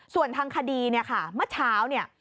ส่วนทางคดีเนี่ยค่ะเมื่อเช้าเนี่ย